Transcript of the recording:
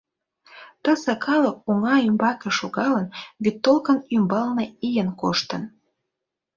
Тысе калык, оҥа ӱмбаке шогалын, вӱд толкын ӱмбалне ийын коштын.